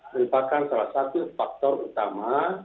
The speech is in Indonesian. merupakan salah satu faktor utama